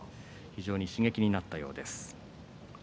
非常に刺激になったようです。